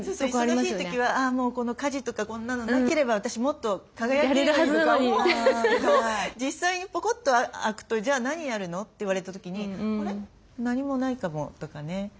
忙しい時は「あもうこの家事とかこんなのなければ私もっと輝けるのに」とか思うんですけど実際にポコッと空くと「じゃあ何やるの？」って言われた時に「あれ？何もないかも」とかね。